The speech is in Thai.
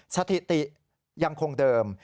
สถิติยังคงเดิม